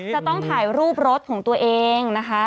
จะต้องถ่ายรูปรถของตัวเองนะคะ